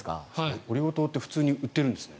オリゴ糖って普通に売ってるんですね。